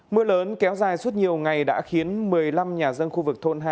mưa lớn kéo dài suốt nhiều ngày đã khiến một mươi năm nhà dân khu vực thôn hai